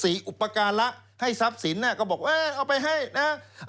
สี่อุปการณ์ละให้ทรัพย์สินเนี่ยก็บอกเออเอาไปให้นะฮะ